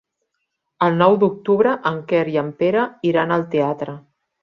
El nou d'octubre en Quer i en Pere iran al teatre.